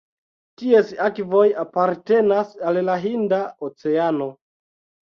Ties akvoj apartenas al la Hinda Oceano.